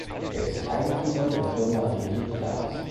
Er ist Eigentümer der Firma Riedel Glas.